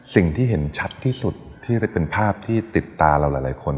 สิ่งที่เห็นชัดที่สุดที่เป็นภาพที่ติดตาเราหลายคน